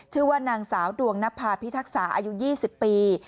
ชื่อว่านางสาวดวงนภาพิทักษาอายุ๒๐ปี